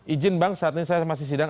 ijin bang saat ini saya masih sidang